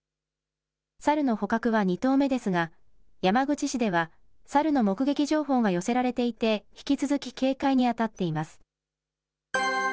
サルの捕獲は２頭目ですが、山口市ではサルの目撃情報が寄せられていて、引き続き警戒に当たっています。